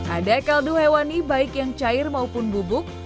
ada kaldu hewani baik yang cair maupun bubuk